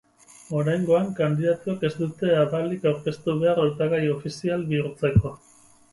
Oraingoan, kandidatuek ez dute abalik aurkeztu behar hautagai ofizial bihurtzeko.